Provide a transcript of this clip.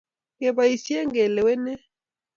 Keboisie kalewenee